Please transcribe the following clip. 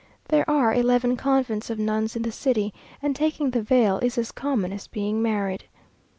There are eleven convents of nuns in the city, and taking the veil is as common as being married.